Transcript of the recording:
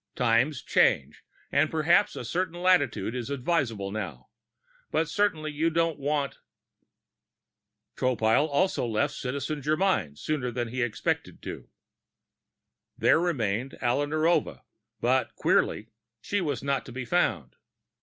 Times change and perhaps a certain latitude is advisable now, but certainly you don't want " Tropile also left Citizen Germyn sooner than he had expected to. There remained Alla Narova, but, queerly, she was not to be found.